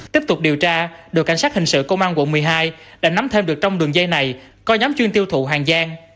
tiếp tục điều tra đội cảnh sát hình sự công an quận một mươi hai đã nắm thêm được trong đường dây này coi nhóm chuyên tiêu thụ hàng gian